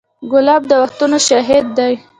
ګلاب د وختونو شاهد دی.